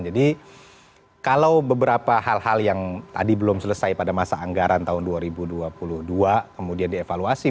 jadi kalau beberapa hal hal yang tadi belum selesai pada masa anggaran tahun dua ribu dua puluh dua kemudian dievaluasi